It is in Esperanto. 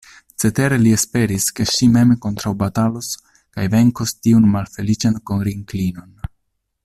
Cetere li esperis, ke ŝi mem kontraŭbatalos kaj venkos tiun malfeliĉan korinklinon.